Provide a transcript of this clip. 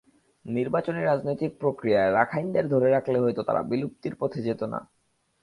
নির্বাচনী রাজনৈতিক প্রক্রিয়ায় রাখাইনদের ধরে রাখলে হয়তো তারা বিলুপ্তির পথে যেত না।